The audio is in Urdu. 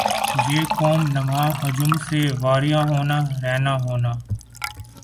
یِہ قوم نما ہجوم سے واریاں ہونا رہنا ہونا